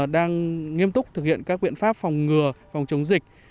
đang nghiêm túc thực hiện các biện pháp phòng ngừa phòng chống dịch